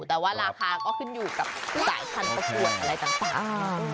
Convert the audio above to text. แต่ว่าราคาก็ขึ้นอยู่กับสายพันธุประกวดอะไรต่าง